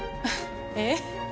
えっ？